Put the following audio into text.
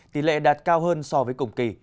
tỷ lệ đạt cao hơn so với cùng kỳ